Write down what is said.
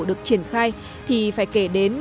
được triển khai thì phải kể đến